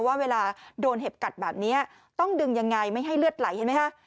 ว่าเวลาโดนเห็บกัดแบบนี้ต้องดึงยังไงไม่ให้เลือดไหลเห็นไหมคะ